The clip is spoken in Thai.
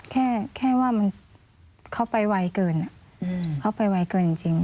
แค่ว่าเขาไปไวเกินเขาไปไวเกินจริง